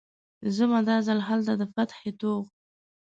ځمه، دا ځل هلته د فتحې توغ